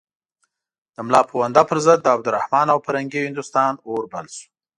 د ملا پوونده پر ضد د عبدالرحمن او فرنګي هندوستان اور بل شو.